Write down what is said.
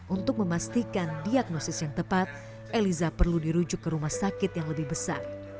untuk memastikan diagnosis yang tepat eliza perlu dirujuk ke rumah sakit yang lebih besar